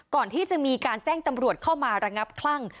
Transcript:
ก่อนที่จะมีการแจ้งตำรวจเข้ามาระงับคลั่ง